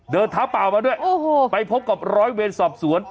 เท้าเปล่ามาด้วยไปพบกับร้อยเวรสอบสวน